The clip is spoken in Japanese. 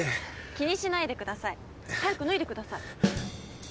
気にしないでください。早く脱いでください。